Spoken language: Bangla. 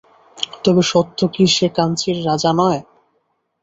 তবে সত্য কি সে কাঞ্চীর রাজা নয়?